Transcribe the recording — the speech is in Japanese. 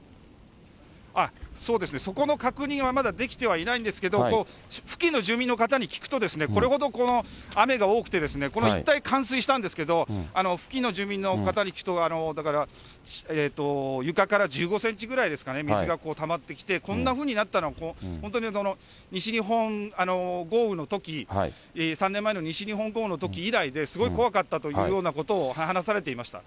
そうですね、そこの確認はまだできてはいないんですけど、付近の住民の方に聞くと、これほど雨が多くて、この一帯冠水したんですけど、付近の住民の方に聞くと、だから床から１５センチぐらいですかね、水がたまってきて、こんなふうになったのは、本当に西日本豪雨のとき、３年前の西日本豪雨のとき以来で、すごい怖かったというようなことを話されていました。